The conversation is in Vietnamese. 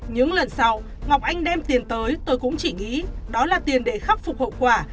những lần sau ngọc anh đem tiền tới tôi cũng chỉ nghĩ đó là tiền để khắc phục hậu quả